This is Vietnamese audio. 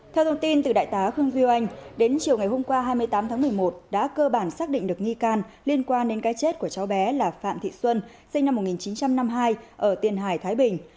theo thông tin từ đại tá hương duy anh đến chiều ngày hôm qua hai mươi tám tháng một mươi một đã cơ bản xác định được nghi can liên quan đến cái chết của cháu bé là phạm thị xuân sinh năm một nghìn chín trăm năm mươi hai ở tiền hải thái bình